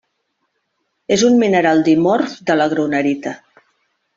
És un mineral dimorf de la grunerita.